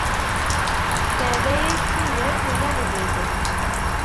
Terra-yak tudert d aɣbel.